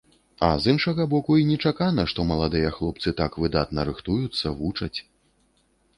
А з іншага боку, і нечакана, што маладыя хлопцы так выдатна рыхтуюцца, вучаць.